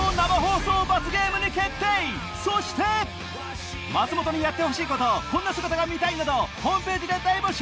そして松本にやってほしいことこんな姿が見たい！などホームページで大募集！